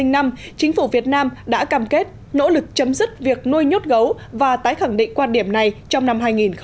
năm hai nghìn năm chính phủ việt nam đã cam kết nỗ lực chấm dứt việc nuôi nhốt gấu và tái khẳng định quan điểm này trong năm hai nghìn một mươi bảy